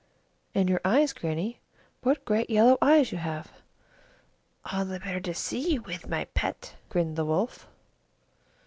"And your eyes, Grannie; what great yellow eyes you have!" "All the better to see you with, my pet," grinned the Wolf.